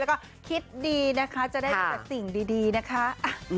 แล้วก็คิดดีนะคะจะได้มีแต่สิ่งดีนะคะ